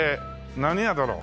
何屋だろう？